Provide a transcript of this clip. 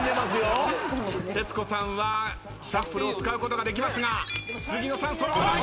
徹子さんはシャッフルを使うことができますが杉野さん揃わない。